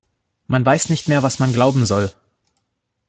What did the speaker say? Man weiß nicht mehr, was man glauben soll.